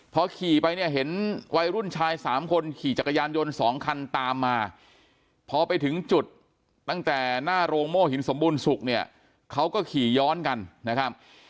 พอขี่ไปเนี่ยเห็นวัยรุ่นชาย๓คนขี่จักรยานยนต์๒คันตามมาพอไปถึงจุดตั้งแต่หน้าโรงโม่หินสมบูรณศุกร์เนี่ยเขาก็ขี่ย้อนกันนะครับ